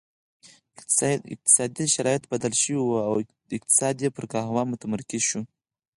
اقتصادي شرایط بدل شوي وو او اقتصاد یې پر قهوه متمرکز شو.